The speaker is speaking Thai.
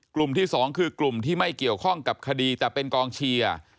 ที่สองคือกลุ่มที่ไม่เกี่ยวข้องกับคดีแต่เป็นกองเชียร์